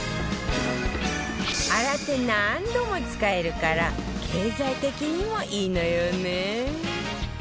洗って何度も使えるから経済的にもいいのよね